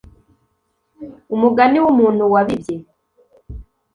umugani w umuntu wabibye